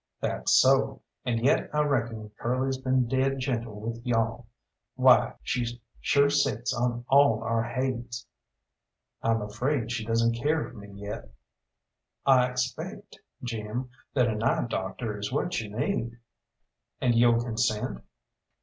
"That's so, and yet I reckon Curly's been dead gentle with you all. Why, she sure sits on all our haids." "I'm afraid she doesn't care for me yet." "I expaict, Jim, that an eye doctor is what you need." "And you'll consent?"